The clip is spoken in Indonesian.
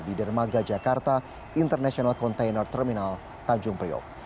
di dermaga jakarta international container terminal tanjung priok